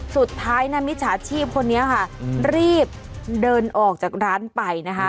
สุดท้ายนะมิจฉาชีพคนนี้ค่ะรีบเดินออกจากร้านไปนะคะ